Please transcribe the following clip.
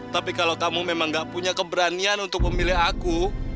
tapi kalau kamu memang gak punya keberanian untuk memilih aku